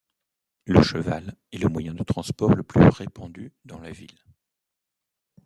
Le cheval est le moyen de transport le plus répandu dans la ville.